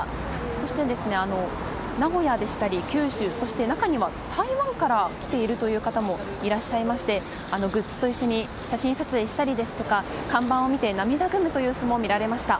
そして、名古屋や九州中には台湾から来ているという方もいらっしゃいましてグッズと一緒に写真撮影したりですとか看板を見て涙ぐむ様子も見られました。